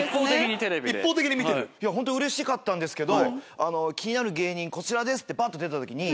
本当うれしかったんですけど「気になる芸人こちらです」ってぱっと出た時に。